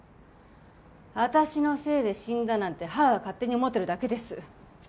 私のせいで死んだなんて義母が勝手に思ってるだけです。